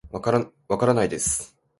わからないです